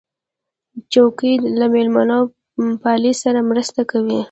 چوکۍ له میلمهپالۍ سره مرسته کوي.